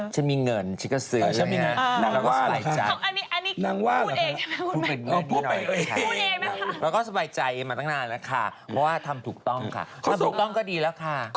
ชั้นมีเงินชั้นก็ซื้ออย่างนี้นะ